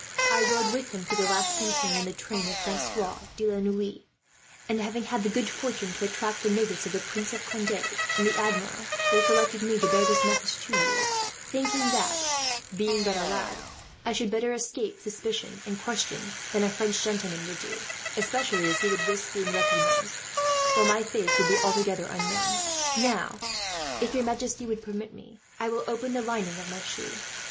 I rode with him through the last campaign, in the train of Francois de la Noue and, having had the good fortune to attract the notice of the Prince of Conde and the Admiral, they selected me to bear this message to you; thinking that, being but a lad, I should better escape suspicion and question than a French gentleman would do; especially as he would risk being recognized, while my face would be altogether unknown. "Now, if your majesty will permit me, I will open the lining of my shoe.